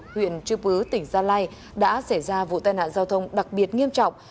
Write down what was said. huyện trư bứ tỉnh gia lai đã xảy ra vụ tai nạn giao thông đặc biệt nghiêm trọng